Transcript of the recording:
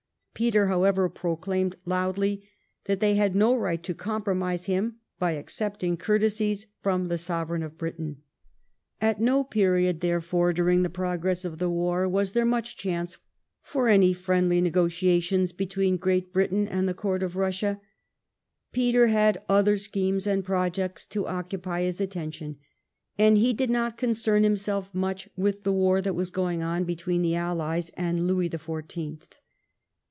Peter, however, proclaimed loudly that they had no right to compromise him by accepting cour tesies from the sovereign of Britain.* At no period, therefore, during the progress of the war was there much chance for any friendly nego tiations between Great Britain and the Court of Eussia. Peter had other schemes and projects to occupy his attention and he did not concern himself much with the war that was going on between the AUies and Louis the Fourteenth.